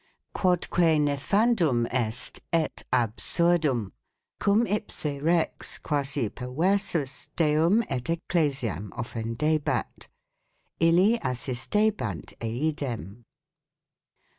Quodque nefandum est et absurdum. cum ipse Rex quasi peruersus deum et ecclesiam offendebat; illi assistebant eidem.